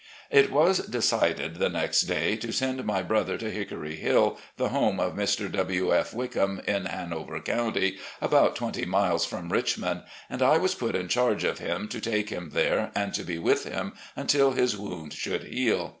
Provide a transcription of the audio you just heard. ..." It was decided, the next day, to send my brother to "Hickory Hill," the home of Mr. W. F. Wickham, in Hanover Cotmty, about twenty miles from Richmond, and I was put in charge of him to take him there and to be with him until his wound should heal.